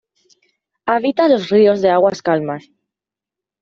Habita los ríos de aguas calmas.